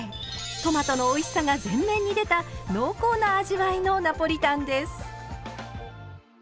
トマトのおいしさが全面に出た濃厚な味わいのナポリタンです。